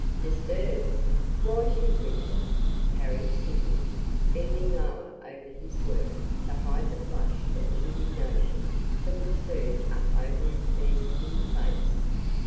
"Disturbed? Why should we be?" parried Sydney, bending lower over his work to hide the flush of indignation that would surge up over his fair skinned face.